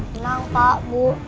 kenang pak ibu